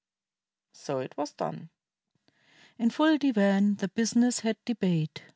So was it done; In full divan the business had debate.